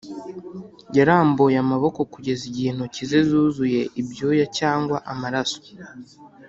yarambuye amaboko kugeza igihe intoki ze zuzuye ibyuya cyangwa amaraso!